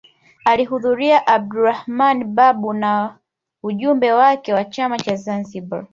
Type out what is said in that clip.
Alihudhuria Abdulrahman Babu na ujumbe wake wa chama cha Zanzibar